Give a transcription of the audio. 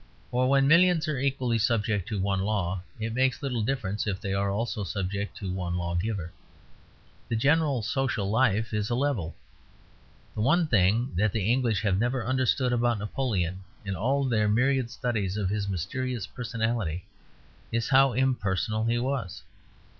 For when millions are equally subject to one law, it makes little difference if they are also subject to one lawgiver; the general social life is a level. The one thing that the English have never understood about Napoleon, in all their myriad studies of his mysterious personality, is how impersonal he was.